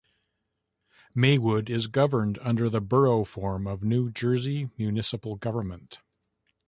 Maywood is governed under the Borough form of New Jersey municipal government.